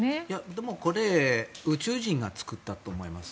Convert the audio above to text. でも、これ宇宙人が作ったと思います。